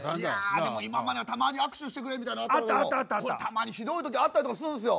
でも今まではたまに握手してくれみたいなのはあったけどもたまにひどい時あったりとかするんすよ。